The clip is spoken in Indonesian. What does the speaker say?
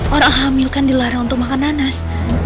orang hamil kan dilarang untuk makan nanas